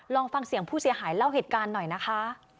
ลองฟังเสียงผู้เสียหายเล่าเหตุการณ์หน่อยนะคะ